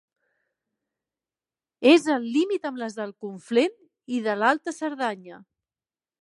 És al límit amb les del Conflent i de l'Alta Cerdanya.